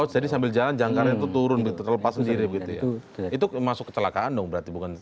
jadi itu berarti itu masuk kecelakaan dong